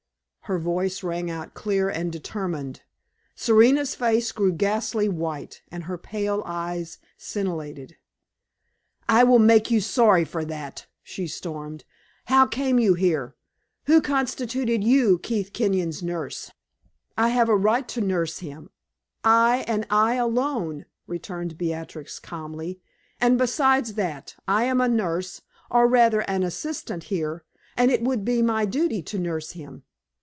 Her voice rang out clear and determined. Serena's face grew ghastly white, and her pale eyes scintillated. "I will make you sorry for that!" she stormed. "How came you here? Who constituted you Keith Kenyon's nurse?" "I have a right to nurse him; I, and I alone!" returned Beatrix, calmly. "And, besides that, I am a nurse or, rather, an assistant here and it would be my duty to nurse him.